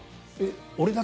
俺だけ？